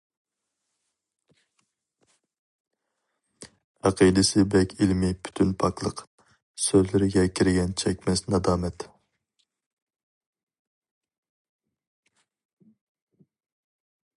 ئەقىدىسى بەك ئىلمى پۈتۈن پاكلىق، سۆزلىرىگە كىرگەن چەكمەس نادامەت.